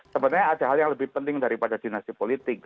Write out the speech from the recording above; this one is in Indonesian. sebenarnya ada hal yang lebih penting daripada dinasti politik